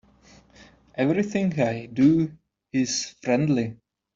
Everything I do is friendly.